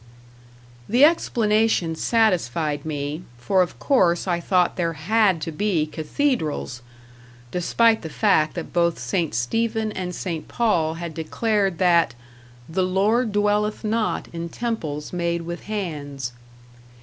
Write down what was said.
The explanation satisfied me; for of course I thought there had to be cathedrals despite the fact that both St. Stephen and St. Paul had declared that "the Lord dwelleth not in temples made with hands."